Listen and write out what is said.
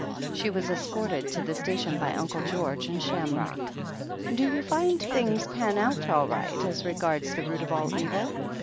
She was escorted to the station by Uncle George and Shamrock. "Do you find things pan out all right, as regards the root of all evil